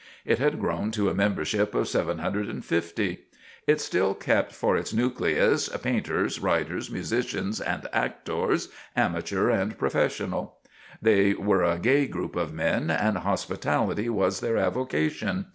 It had grown to a membership of 750. It still kept for its nucleus painters, writers, musicians and actors, amateur and professional. They were a gay group of men, and hospitality was their avocation.